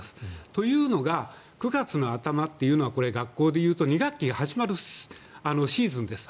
というのが９月の頭というのはこれ学校でいうと２学期が始まるシーズンです。